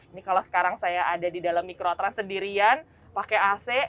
ini kalau sekarang saya ada di dalam mikrotran sendirian pakai ac